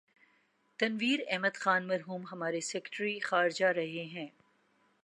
تنویر احمد خان مرحوم ہمارے سیکرٹری خارجہ رہے ہیں۔